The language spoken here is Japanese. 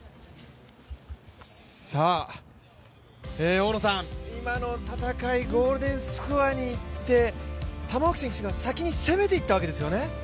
大野さん、今の戦い、ゴールデンスコアにいって、玉置選手が先に攻めていったわけですよね。